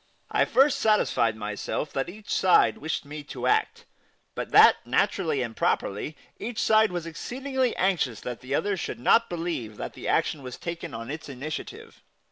I first satisfied myself that each side wished me to act, but that, naturally and properly, each side was exceedingly anxious that the other should not believe that the action was taken on its initiative.